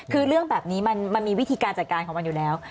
คือเรื่องแบบนี้มันมีวิธีการจัดการของมันอยู่แล้ว